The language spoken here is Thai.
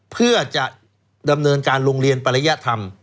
เพื่อจะดำเนินการโรงเรียนปริยธรรม